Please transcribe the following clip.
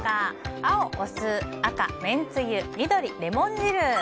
青、お酢赤、めんつゆ緑、レモン汁。